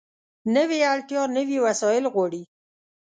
نوې اړتیا نوي وسایل غواړي